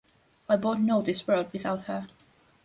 I won't know this world without her.